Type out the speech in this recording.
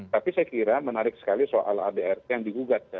tapi saya kira menarik sekali soal adrt yang digugat